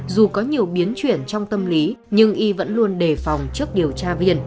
dù có nhiều biến chuyển trong tâm lý nhưng y vẫn luôn đề phòng trước điều tra viên